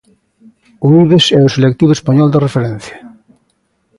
O Ibex é o selectivo español de referencia.